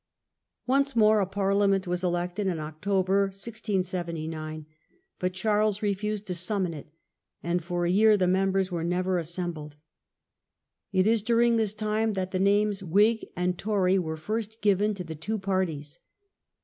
Once more a Parliament was elected in October, 1679, but Charles refused to summon it, and for a year the Whio and members never assembled. It is during this Tones, 1660. tjme that the names AMiig and Tory were first given to the two parties.